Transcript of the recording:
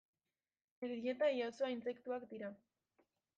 Bere dieta ia osoa intsektuak dira.